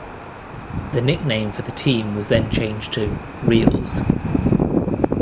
The nickname for the team was then changed to "Reales".